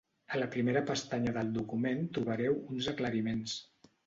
A la primera pestanya del document trobareu uns aclariments.